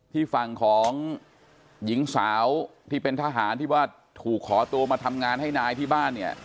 ที่ฝั่งของหญิงสาวที่เป็นทหารที่ว่าถูกขอตัวมาทำงานให้นายที่บ้านเนี่ย